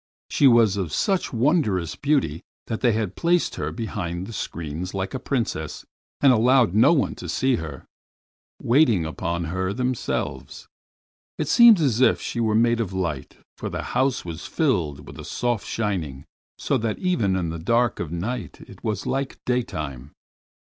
She was of such wondrous beauty that they placed her behind the screens like a princess, and allowed no one to see her, waiting upon her themselves. It seemed as if she were made of light, for the house was filled with a soft shining, so that even in the dark of night it was like daytime.